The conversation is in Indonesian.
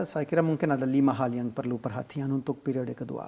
saya kira mungkin ada lima hal yang perlu perhatian untuk periode kedua